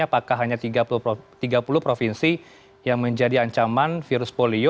apakah hanya tiga puluh provinsi yang menjadi ancaman virus polio